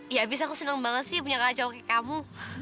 ya abis aku seneng banget sih punya kacau kayak kamu